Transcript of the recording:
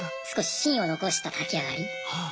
少し芯を残した炊き上がり。